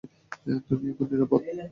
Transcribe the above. তুমি এখন নিরাপদ।